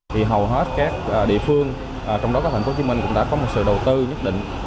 thì hầu hết các địa phương trong đó các thành phố hồ chí minh cũng đã có một sự đầu tư nhất định